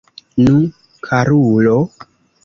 Nu, karulo?